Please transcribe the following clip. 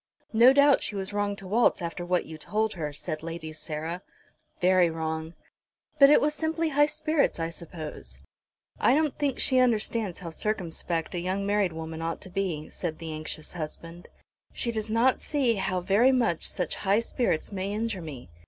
"No doubt she was wrong to waltz after what you told her," said Lady Sarah. "Very wrong." "But it was simply high spirits, I suppose." "I don't think she understands how circumspect a young married woman ought to be," said the anxious husband. "She does not see how very much such high spirits may injure me.